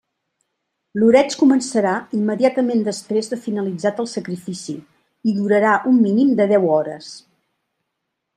L'oreig començarà immediatament després de finalitzat el sacrifici i durarà un mínim de deu hores.